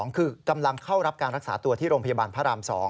คือกำลังเข้ารับการรักษาตัวที่โรงพยาบาลพระราม๒